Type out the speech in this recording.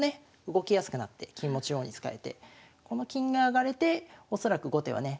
動きやすくなって金も中央に使えてこの金が上がれて恐らく後手はね